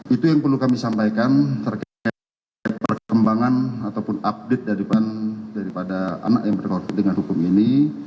itu yang perlu kami sampaikan terkait perkembangan ataupun update daripada anak yang berkaitan dengan hukum ini